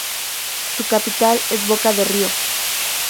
Su capital es Boca de Río.